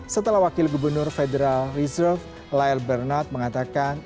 setelah wakil gubernur federal reserve lail bernard mengatakan